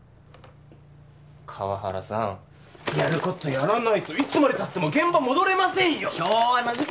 河原さんやることやらないといつまでたっても現場戻れませんよ昭和の事件